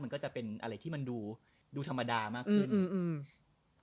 มันก็จะเป็นอะไรที่มันดูดูธรรมดามากขึ้นอืม